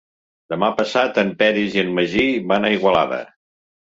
Demà passat en Peris i en Magí van a Igualada.